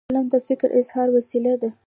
قلم د فکر اظهار وسیله ده.